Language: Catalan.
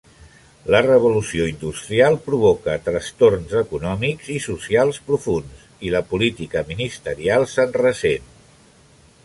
La Revolució Industrial provoca trastorns econòmics i socials profunds; i la política ministerial se'n ressent.